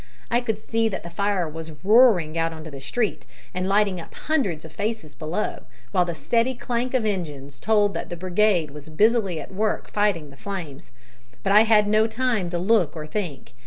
I could see that the fire was roaring out into the street, and lighting up hundreds of faces below, while the steady clank of engines told that the brigade was busily at work fighting the flames. But I had no time to look or think.